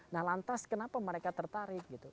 nah lantas kenapa mereka tertarik gitu